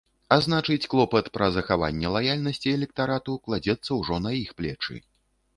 А значыць, клопат пра захаванне лаяльнасці электарату кладзецца ўжо на іх плечы.